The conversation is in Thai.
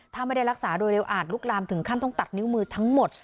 ถ้าไม่ได้รักษาโดยเร็วอาจลุกลามถึงขั้นต้องตัดนิ้วมือทั้งหมด